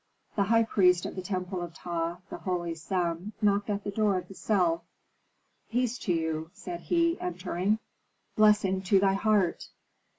The high priest of the temple of Ptah, the holy Sem, knocked at the door of the cell. "Peace to you," said he, entering. "Blessing to thy heart."